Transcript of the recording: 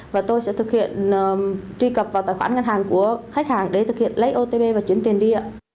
và tôi sẽ thực hiện truy cập vào tài khoản ngân hàng của khách hàng để thực hiện lấy otb và chuyển tiền đi ạ